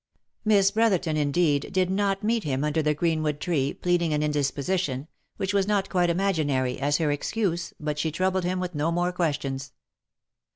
Miss Brotherton, indeed, did not meet him under the greenwood tree, pleading an indisposition, which was not quite imaginary, as her excuse, but she troubled him with no more questions.